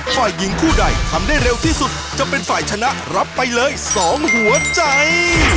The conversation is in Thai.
ฝ่ายหญิงคู่ใดทำได้เร็วที่สุดจะเป็นฝ่ายชนะรับไปเลย๒หัวใจ